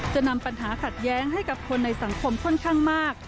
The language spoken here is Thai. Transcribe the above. จะนำปัญหาขัดแย้งให้กับคนในสังคมค่อนข้างมาก